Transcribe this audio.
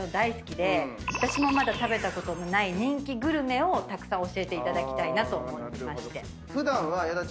私もまだ食べたことのない人気グルメをたくさん教えていただきたいなと思ってまして。